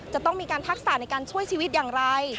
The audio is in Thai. จะต้องมีการทักษะในการช่วยชีวิตอย่างไร